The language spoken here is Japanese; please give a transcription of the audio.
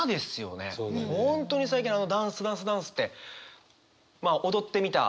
本当に最近「ダンスダンスダンス」ってまあ踊ってみた。